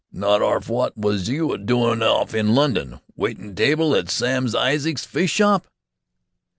"Not arf! Wot was you a doin' of in London? Witin' tible at Sam Isaac's fish shop?"